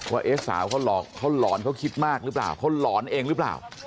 ว่าเอ๊ะสาวเขาหลอกเขาหลอนเขาคิดมากหรือเปล่าเขาหลอนเองหรือเปล่า